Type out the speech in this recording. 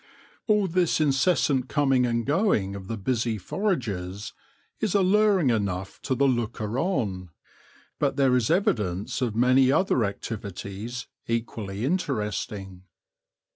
All this incessant coming and going of the busy foragers is alluring enough to the looker on, but AT THE CITY GATES 41 there is evidence of many other activities equally interesting.